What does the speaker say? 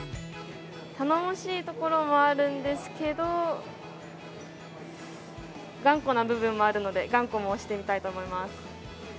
頼もしいところもあるんですけど、頑固な部分もあるので、頑固も押してみたいと思います。